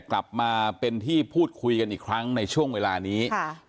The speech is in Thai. กลับมาเป็นที่พูดคุยกันอีกครั้งในช่วงเวลานี้